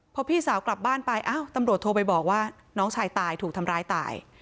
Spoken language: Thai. พอพี่สาวกลับบ้านไปอ้าวตำรวจโทรไปบอกว่าน้องชายตายถูกทำร้ายตาย